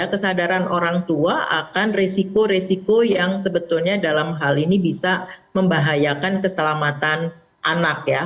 karena kita tahu bahwa kepentingan orang tua akan resiko resiko yang sebetulnya dalam hal ini bisa membahayakan keselamatan anak ya